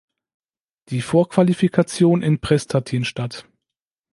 Die Vor-Qualifikation in Prestatyn statt.